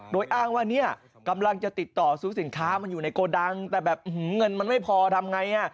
โดยอ้างว่าเนี่ยกำลังจะติดต่อซื้อสินค้ามันอยู่ในโกดังแต่แบบเงินมันไม่พอทำไง